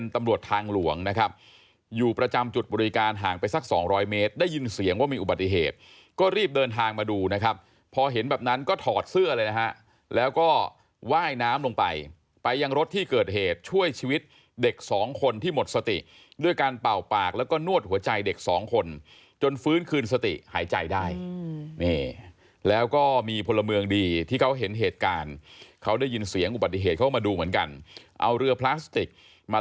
ทางไปสัก๒๐๐เมตรได้ยินเสียงว่ามีอุบัติเหตุก็รีบเดินทางมาดูนะครับพอเห็นแบบนั้นก็ถอดเสื้อเลยนะฮะแล้วก็ว่ายน้ำลงไปไปยังรถที่เกิดเหตุช่วยชีวิตเด็ก๒คนที่หมดสติด้วยการเป่าปากแล้วก็นวดหัวใจเด็ก๒คนจนฟื้นคืนสติหายใจได้แล้วก็มีพลเมืองดีที่เขาเห็นเหตุการณ์เขาได้ยินเสียงอุบัติเหตุเขา